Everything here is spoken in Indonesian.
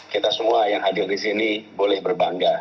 kita semua yang hadir di sini boleh berbangga